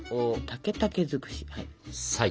竹竹尽くし。